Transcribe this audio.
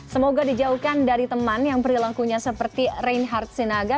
semoga dijauhkan dari teman yang perilakunya seperti reinhardt sinaga